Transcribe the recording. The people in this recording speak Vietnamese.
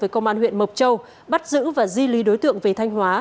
với công an huyện mộc châu bắt giữ và di lý đối tượng về thanh hóa